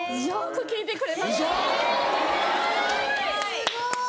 ・すごい！